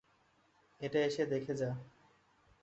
এটা এসে দেখে যা।